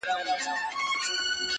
• خر په پوه سوچی لېوه یې غوښي غواړي -